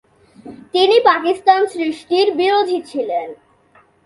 তিনি পাকিস্তান সৃষ্টির বিরোধী ছিলেন।